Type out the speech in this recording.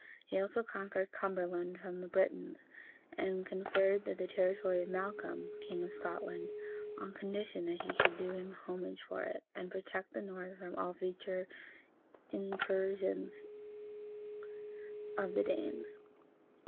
He also conquered Cumberland from the Britons; and conferred that territory on Malcolm, king of Scotland, on condition that he should do him homage for it, and protect the north from all future incursions of the Danes.